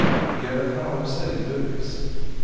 Yerra taɣawsa i bab-is.